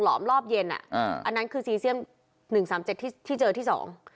หลอมรอบเย็นอ่ะอันนั้นคือซีเซียม๑๓๗ที่เจอที่สอง